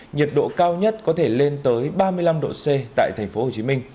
nhiệt độ cao nhất có thể lên tới ba mươi năm độ c tại tp hcm